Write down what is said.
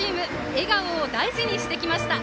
笑顔を大事にしてきました。